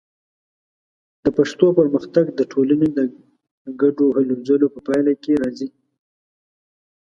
د پښتو پرمختګ د ټولنې د ګډو هلو ځلو په پایله کې راځي.